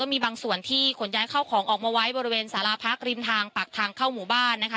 มีบางส่วนที่ขนย้ายเข้าของออกมาไว้บริเวณสาราพักริมทางปากทางเข้าหมู่บ้านนะคะ